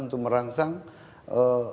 untuk merangsang masyarakat mendukung kita